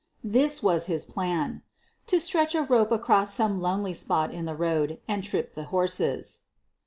This was his plan — to stretch a rope across some lonely spot in the road and trip the horses.